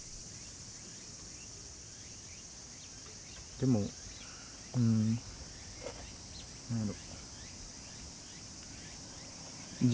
でもうん何だろ。